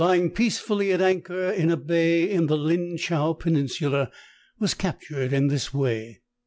81 peacefully at anchor in a bay in the Lin Chow peninsula, was captured in this way.